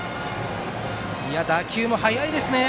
打球も速かったですね。